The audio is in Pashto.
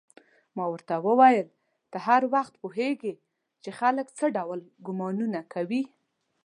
ما ورته وویل: ته هر وخت پوهېږې چې خلک څه ډول ګومانونه کوي؟